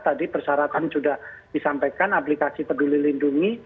tadi persyaratan sudah disampaikan aplikasi peduli lindungi